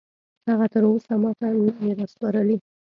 هغه تراوسه ماته نه دي راسپارلي